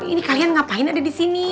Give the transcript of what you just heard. ini kalian ngapain ada di sini